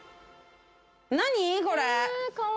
何これ。